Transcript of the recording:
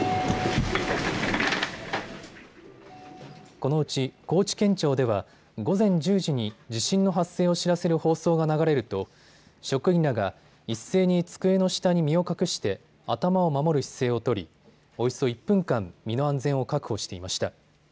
このうち高知県庁では午前１０時に地震の発生を知らせる放送が流れると職員らが一斉に机の下に身を隠して、頭を守る姿勢を取りおよそ１分間、身の安全を確保していました。